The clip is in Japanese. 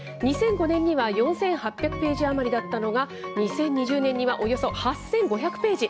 ２００５年には４８００ページ余りだったのが、２０２０年にはおよそ８５００ページ。